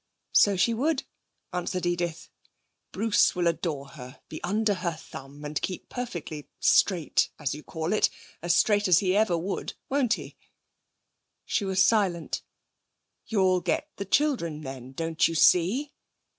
'So she would,' answered Edith. 'Bruce will adore her, be under her thumb, and keep perfectly 'straight', as you call it as straight as he ever would. Won't he?' She was silent. 'You'll get the children then, don't you see?'